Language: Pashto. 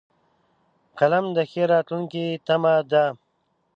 قلم د ښې راتلونکې تمه ده